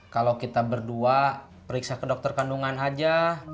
kalo kita berdua periksa ke dokter kandungan aja